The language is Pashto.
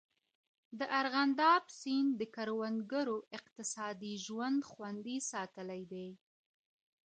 دارغنداب سیند د کروندګرو اقتصادي ژوند خوندی ساتلی دی.